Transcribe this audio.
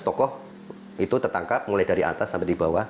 tokoh itu tertangkap mulai dari atas sampai di bawah